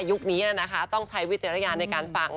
ยุคนี้นะคะต้องใช้วิจารณญาณในการฟัง